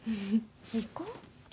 行こう。